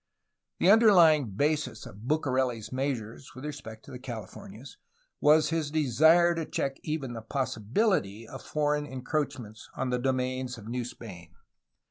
The underlying basis of Bucareli's measures with respect to the Californias was his desire to check even the possi 272 A HISTORY OF CALIFORNIA bility of foreign encroachments on the domains of New Spain.